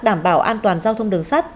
đảm bảo an toàn giao thông đường sắt